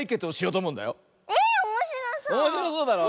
おもしろそうだろ？